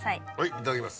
いただきます。